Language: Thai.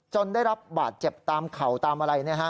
ได้รับบาดเจ็บตามเข่าตามอะไร